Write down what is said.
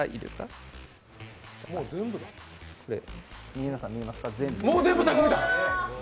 皆さん、見えますか、全部。